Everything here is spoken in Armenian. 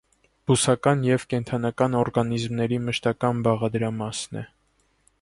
Բուսական և կենդանական օրգանիզմների մշտական բաղադրամասն է։